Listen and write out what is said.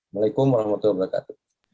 waalaikum warahmatullahi wabarakatuh